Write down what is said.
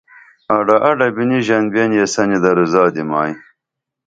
اڈہ اڈہ بِنی ژنبئین یسنی درو زادی مائی